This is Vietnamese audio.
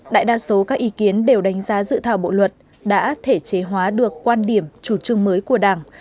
đại đa số các ý kiến đều đánh giá dự thảo bộ luật đã thể chế hóa được quan điểm chủ trương mới của đảng